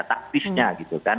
taktisnya gitu kan